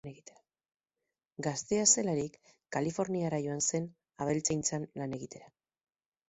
Gaztea zelarik, Kaliforniara joan zen abeltzaintzan lan egitera.